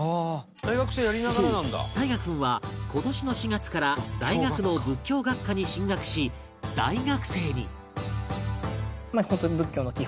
そう汰佳君は今年の４月から大学の仏教学科に進学し大学生に